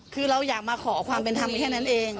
คือเราอยากมาขอความเป็นธรรมแค่นั้นเอง